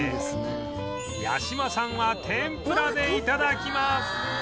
八嶋さんは天ぷらで頂きます